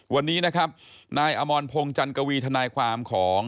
วันนี้นะครับนายอมรพงศ์จันกวีทนายความของ